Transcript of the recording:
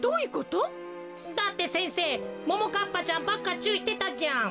だって先生ももかっぱちゃんばっかちゅういしてたじゃん。